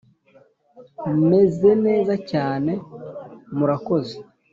meze neza cyane, murakoze.